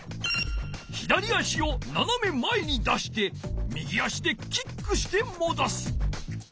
左足をななめまえに出して右足でキックしてもどす。